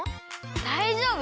だいじょうぶ！